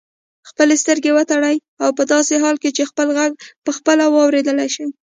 خپلې سترګې وتړئ او په داسې حال کې چې خپل غږ پخپله واورېدلای شئ.